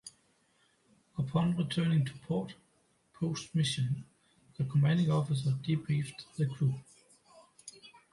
Upon returning to port post-mission, the Commanding Officer debriefed the crew.